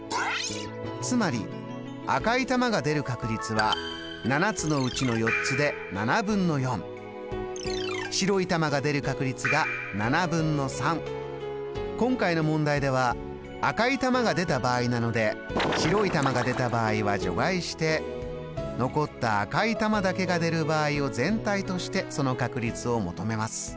つまり赤い玉が出る確率は７つのうちの４つで白い玉が出る確率が今回の問題では赤い玉が出た場合なので白い玉が出た場合は除外して残った赤い玉だけが出る場合を全体としてその確率を求めます。